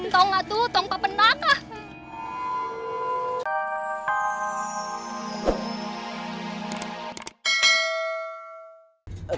tunggak tuh tunggak penangah